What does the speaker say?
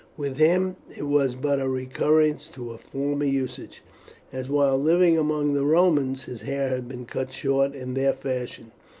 With him it was but a recurrence to a former usage, as while living among the Romans his hair had been cut short in their fashion.